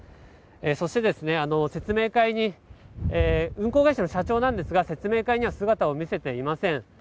そして、運航会社の社長ですが説明会には姿を見せていません。